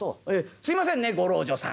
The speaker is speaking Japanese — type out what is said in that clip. すいませんねご老女さん。